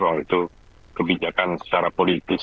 waktu itu kebijakan secara politik